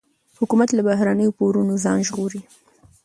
حکومت له بهرنیو پورونو ځان ژغوري.